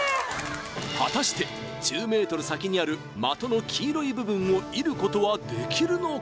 果たして１０ｍ先にある的の黄色い部分を射ることはできるのか？